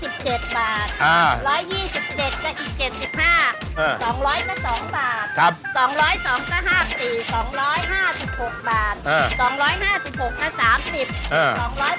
เออ๒๐๐ก็๒บาทครับ๒๐๒ก็๕๔๒๕๖บาทเออ๒๕๖ก็๓๐เออ๒๘๖บาท